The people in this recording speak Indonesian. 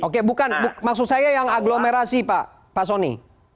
oke bukan maksud saya yang agglomerasi pak soni